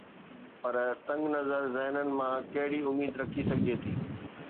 پر تنگ نظر ذهنن مان ڪهڙي اميد رکي سگهجي ٿي؟